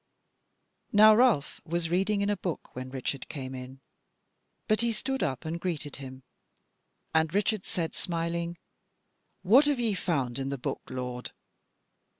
Now Ralph was reading in a book when Richard came in, but he stood up and greeted him; and Richard said smiling: "What have ye found in the book, lord?"